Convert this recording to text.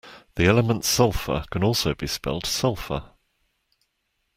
The element sulfur can also be spelled sulphur